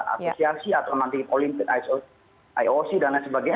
asosiasi atau nanti olimpik ioc dan lain sebagainya